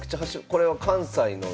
これは関西の。